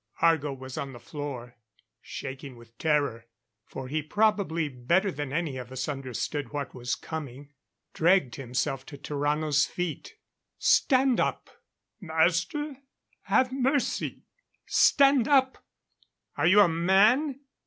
Argo was on the floor. Shaking with terror for he, probably better than any of us, understood what was coming dragged himself to Tarrano's feet. "Stand up!" "Master, have mercy " "Stand up! Are you a man?"